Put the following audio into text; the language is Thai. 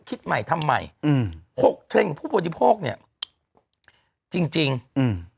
คิดใหม่ทำใหม่อืมหกเทรนด์ของผู้บริโภคเนี้ยจริงจริงอืม